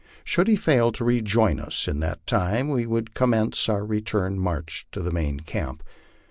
Should he fail to rejoin us in that time, we would commence our return march to the main camp.